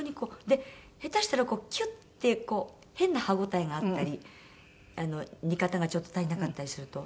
で下手したらキュッていう変な歯応えがあったり煮方がちょっと足りなかったりすると。